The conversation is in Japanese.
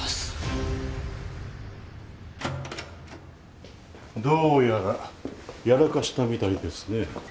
・どうやらやらかしたみたいですね。